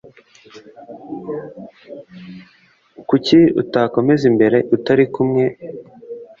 Kuki utakomeza imbere utari kumwe?